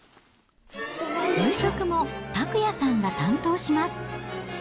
夕食も拓也さんが担当します。